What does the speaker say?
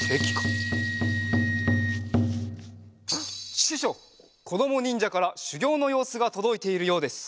ししょうこどもにんじゃからしゅぎょうのようすがとどいているようです。